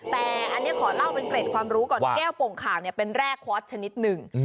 แต่อันนี้ขอเล่าเป็นเกร็ดความรู้ก่อนแก้วโป่งขาวเป็นแร่ควอสชนิดหนึ่ง